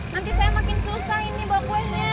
nanti saya makin susah ini buah kuenya